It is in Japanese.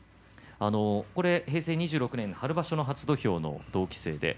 平成２６年春場所の初土俵の同期生です。